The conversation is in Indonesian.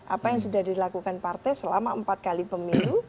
apa yang sudah dilakukan partai selama empat kali pemilu